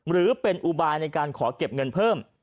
หรือเป็นอุบายในการขอเก็บเงินเพิ่ม